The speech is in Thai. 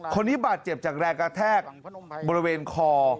คนนี้บาดเจ็บจากแรงกระแทกบริเวณคอ